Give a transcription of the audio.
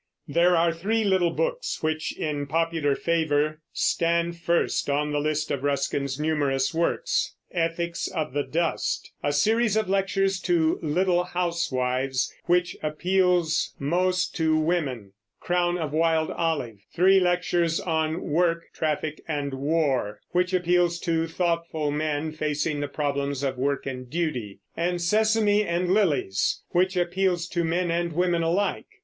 There are three little books which, in popular favor, stand first on the list of Ruskin's numerous works, Ethics of the Dust, a series of Lectures to Little Housewives, which appeals most to women; Crown of Wild Olive, three lectures on Work, Traffic, and War, which appeals to thoughtful men facing the problems of work and duty; and Sesame and Lilies, which appeals to men and women alike.